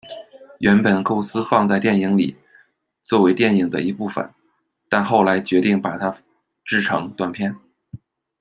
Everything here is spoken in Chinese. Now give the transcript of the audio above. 原本构思放在电影里，作为电影的一部分，但后来决定把它制成短片。